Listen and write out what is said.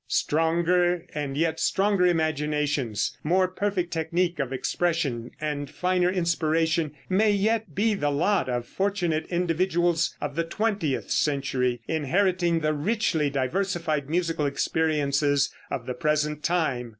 Stronger and yet stronger imaginations, more perfect technique of expression and finer inspiration, may yet be the lot of fortunate individuals of the twentieth century, inheriting the richly diversified musical experiences of the present time.